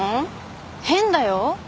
変だよ。